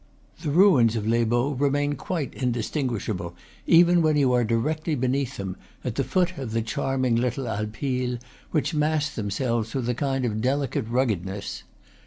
The ruins of Les Baux remain quite indistinguish able, even when you are directly beneath them, at the foot of the charming little Alpilles, which mass themselves with a kind of delicate ruggedness.